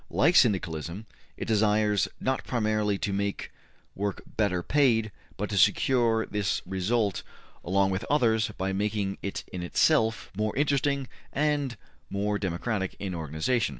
Like Syndicalism; it desires not primarily to make work better paid, but to secure this result along with others by making it in itself more interesting and more democratic in organization.